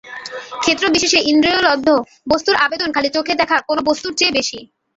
ক্ষেত্রবিশেষে ইন্দ্রিয়লব্ধ বস্তুর আবেদন খালি চোখে দেখা কোনো বস্তুর চেয়ে বেশি।